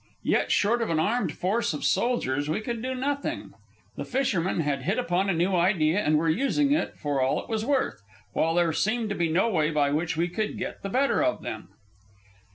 Yet, short of an armed force of soldiers, we could do nothing. The fishermen had hit upon a new idea and were using it for all it was worth, while there seemed no way by which we could get the better of them.